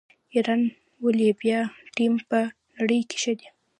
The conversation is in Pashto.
د ایران والیبال ټیم په نړۍ کې ښه دی.